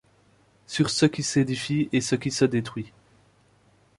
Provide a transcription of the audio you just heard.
Sur ce qui s’édifie et ce qui se détruit